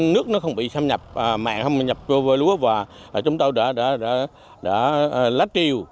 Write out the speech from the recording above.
nước nó không bị xâm nhập mạng không bị xâm nhập vô với lúa và chúng ta đã lách chiều